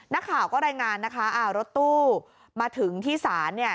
นักข่าวก็รายงานนะคะอ่ารถตู้มาถึงที่ศาลเนี่ย